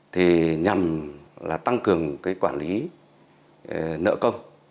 thì nhằm là tăng cường cái quản lý nợ công